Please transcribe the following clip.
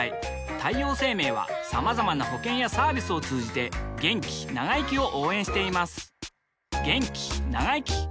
太陽生命はまざまな保険やサービスを通じて気長生きを応援しています